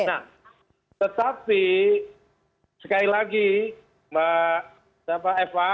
nah tetapi sekali lagi mbak eva